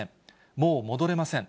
もう戻れません。